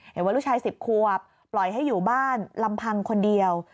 หรือว่าลูกชาย๑๐ควบปล่อยให้อยู่บ้านลำพังคนเดียว